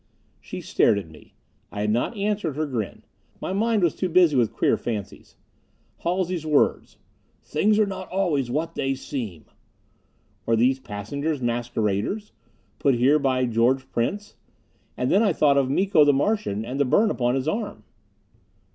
She stared at me. I had not answered her grin; my mind was too busy with queer fancies. Halsey's words: "Things are not always what they seem " Were these passengers masqueraders? Put here by George Prince? And then I thought of Miko the Martian, and the burn upon his arm.